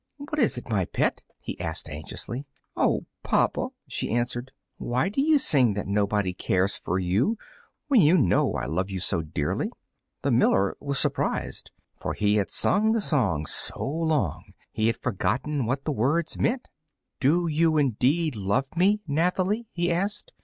"What is it, my pet?" he asked, anxiously. "Oh, papa," she answered, "why do you sing that nobody cares for you, when you know I love you so dearly?" The miller was surprised, for he had sung the song so long he had forgotten what the words meant. "Do you indeed love me, Nathalie?" he asked.